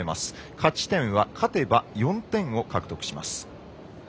勝ち点は勝てば４点を獲得します。